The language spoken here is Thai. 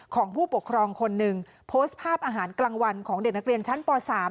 ของผู้ปกครองคนหนึ่งโพสต์ภาพอาหารกลางวันของเด็กนักเรียนชั้นป๓